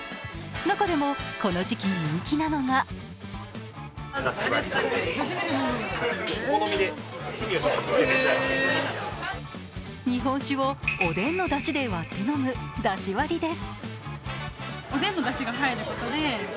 中でもこの時期に人気なのが日本酒をおでんのだしで割って飲むだし割りです。